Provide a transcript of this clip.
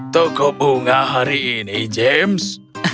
toko bunga hari ini james